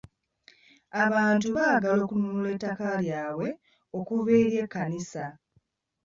Abantu baagala kununula takka lyabwe okuva eri ekkanisa.